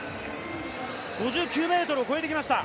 ５９ｍを越えてきました。